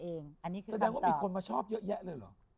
แสดงว่าเดี๋ยวมีคนมาชอบเยอะแยะเลยเหรอ